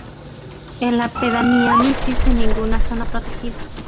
En la pedanía no existe ninguna zona protegida.